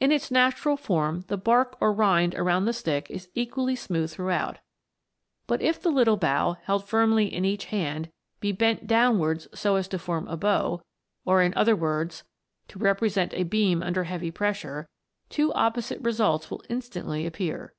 In its natural form the bark or rind around the stick is equally smooth throughout ; but if the little bough, held firmly in each hand, be bent downwards so as to form a bow, or in other words to represent a beam under heavy pressure, two opposite results will instantly appear.